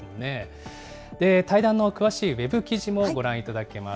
対談の詳しいウェブ記事もご覧いただけます。